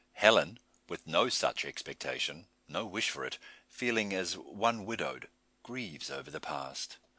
Helen, with no such expectation, no wish for it, feeling as one widowed, grieves over the past.